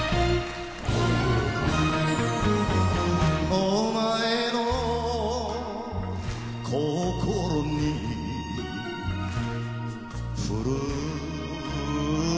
お前の心に降る雪よ